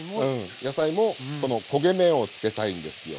野菜もこの焦げ目をつけたいんですよ。